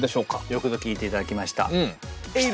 よくぞ聞いていただきました。